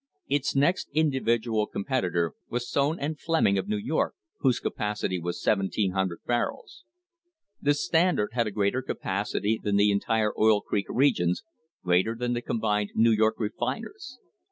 * Its next individual competitor was Sone and Fleming, of New York, whose capacity was 1,700 barrels. The Standard had a greater capacity than the entire Oil Creek Regions, greater than the combined New York refiners.